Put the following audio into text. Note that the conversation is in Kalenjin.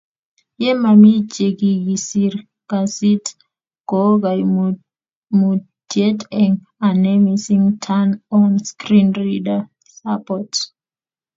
ye mami chekikisir kasit ko kaimutiet eng' ane mising Turn on screen reader support